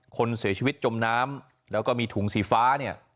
คนเสียชีวิตจมน้ำแล้วก็มีถุงสีฟ้าเนี่ย